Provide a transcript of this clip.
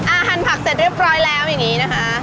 หันผักเสร็จเรียบร้อยแล้วอย่างนี้นะคะ